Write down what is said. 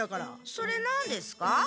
それなんですか？